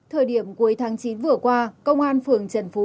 thời điểm cuối tháng chín vừa qua công an phường trần phú